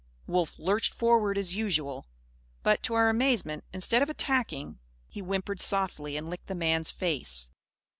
Wolf lurched forward, as usual. But, to our amazement, instead of attacking, he whimpered softly and licked the man's face.